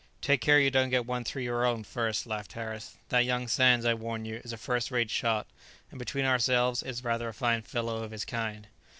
"Take care you don't get one through your own first," laughed Harris; "that young Sands, I warn you, is a first rate shot, and between ourselves, is rather a fine fellow of his kind."